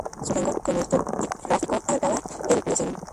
Su rango cronoestratigráfico abarcaba el Plioceno.